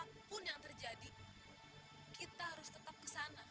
apapun yang terjadi kita harus tetap kesana